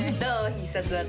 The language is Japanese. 必殺技。